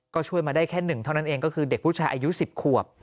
ก็ช่วยมาได้แค่หนึ่งเท่านั้นเองก็คือเด็กผู้ชายอายุ๑๐ขวบ